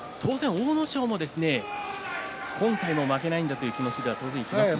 阿武咲も今回も負けないんだという気持ち強かったと思いますが。